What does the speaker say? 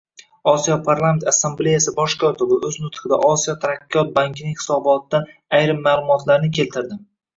Osiyo Parlament Assambleyasi Bosh kotibi oʻz nutqida Osiyo taraqqiyot bankining hisobotidan ayrim maʼlumotlarni keltirdi.